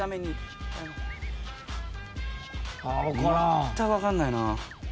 まったく分かんないな。